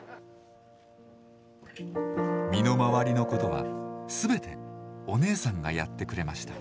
身の回りのことは全てお姉さんがやってくれました。